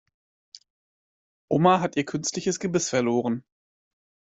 Oma hat ihr künstliches Gebiss verloren.